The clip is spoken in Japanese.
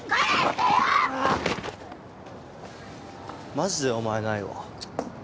マジでお前ないわちっ。